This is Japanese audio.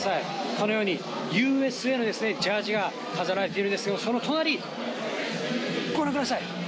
このように、ＵＳＡのジャージが飾られているんですけれども、その隣、ご覧ください。